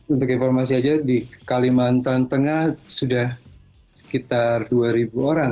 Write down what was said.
untuk informasi aja di kalimantan tengah sudah sekitar dua orang